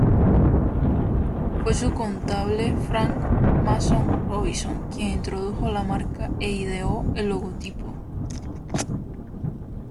Fue su contable Frank Mason Robinson quien introdujo la marca e ideó el logotipo.